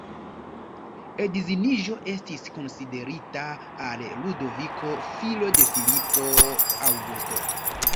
Edziniĝo estis konsiderita al Ludoviko, filo de Filipo Aŭgusto.